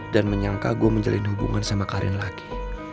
dan menyangka gue menjalin hubungan sama karin lagi